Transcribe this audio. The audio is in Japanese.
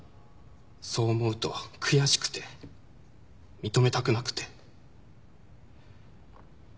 そう思うと悔しくて認めたくなくて。